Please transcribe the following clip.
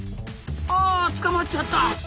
あ捕まっちゃった。